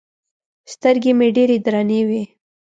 سترګې مې ډېرې درنې وې.